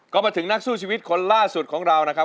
ก็มาถึงนักสู้ชีวิตคนล่าสุดของเรานะครับ